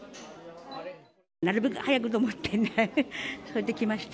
なるべく早くと思ってね、それで来ました。